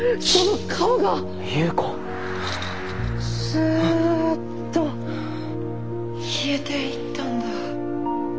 スウッと消えていったんだ。